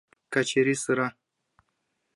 Качыри сыра!